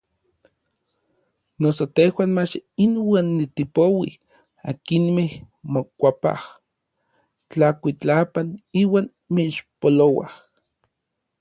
Noso tejuan mach inuan tipouij akinmej mokuapaj tlakuitlapan iuan mixpolouaj.